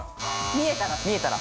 見えたら。